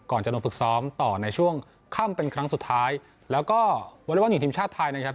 จะลงฝึกซ้อมต่อในช่วงค่ำเป็นครั้งสุดท้ายแล้วก็วอเล็กบอลหญิงทีมชาติไทยนะครับ